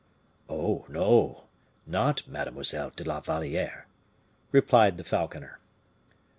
"Oh, no! not Mademoiselle de la Valliere," replied the falconer.